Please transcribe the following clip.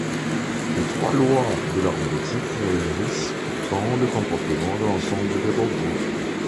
Les trois lois de la robotique régissent pourtant le comportement de l'ensemble des robots.